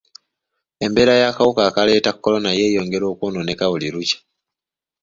Embeera y'akawuka akaleeta ka kolona yeeyongera kwonooneka buli lukya.